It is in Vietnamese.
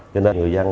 cho nên người dân